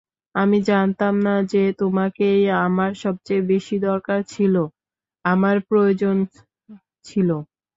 আমি জানতাম না যে তোমাকেই আমার সবচেয়ে বেশি দরকার ছিল আমার প্রয়োজন ছিল।